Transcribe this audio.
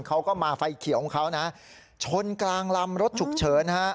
เขาก็มาไฟเขียวของเขานะชนกลางลำรถฉุกเฉินฮะ